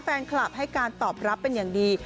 แฟนคลับให้การตอบรับเป็นอย่างดี